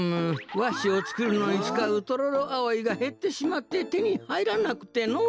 わしをつくるのにつかうトロロアオイがへってしまっててにはいらなくてのう。